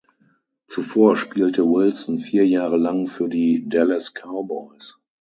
Zuvor spielte Wilson vier Jahre lang für die Dallas Cowboys.